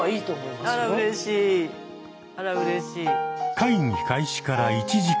会議開始から１時間。